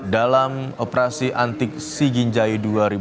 dalam operasi antik sijinjai dua ribu dua puluh empat